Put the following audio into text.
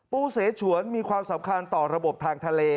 เสฉวนมีความสำคัญต่อระบบทางทะเล